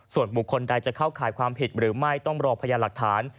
ส่วนบุคคลใดจะเข้าข่ายความผิดหรือไม่ต้องรอพยานหลักฐาน